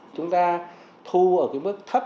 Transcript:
chúng ta thu ở cái mức thấp